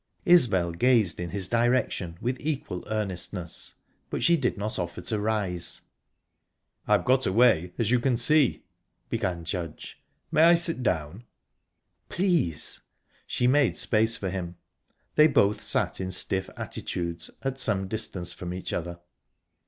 Isbel gazed in his direction with equal earnestness, but she did not offer to rise. "I've got away, as you can see," began Judge. "May I sit down?" "Please!" She made space for him. They both sat in stiff attitudes, at some distance from each other.